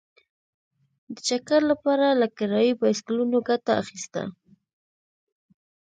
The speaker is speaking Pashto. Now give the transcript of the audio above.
د چکر لپاره له کرايي بایسکلونو ګټه اخیسته.